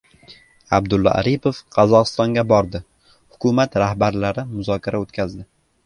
Abdulla Aripov Qozog‘istonga bordi. Hukumat rahbarlari muzokara o‘tkazdi